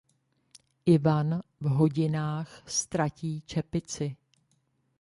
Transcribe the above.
Ivan v hodinách ztratí čepici.